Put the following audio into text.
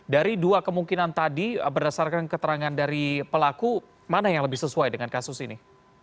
dari dua kemungkinan tadi berdasarkan keterangan dari pelaku mana yang lebih sesuai dengan kasus ini